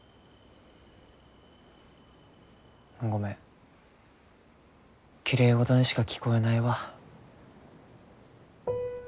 ごめんきれいごどにしか聞こえないわ。